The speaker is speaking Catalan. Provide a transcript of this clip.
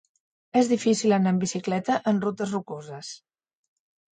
És difícil anar en bicicleta en rutes rocoses.